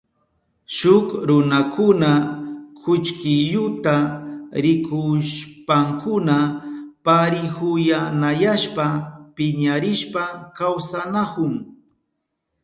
Shuk runakuna kullkiyuta rikushpankuna parihuyanayashpa piñarishpa kawsanahun.